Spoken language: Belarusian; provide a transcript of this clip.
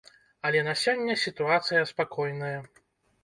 Але на сёння сітуацыя спакойная.